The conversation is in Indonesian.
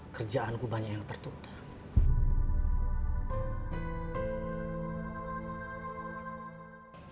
kerjaanku banyak yang tertutup